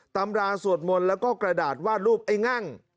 ตำราสวดมนต์แล้วก็กระดาษวาดรูปไอ้งั่ง